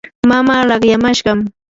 mamaa laqyamashqam.